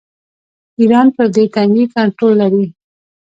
ایران پر دې تنګي کنټرول لري.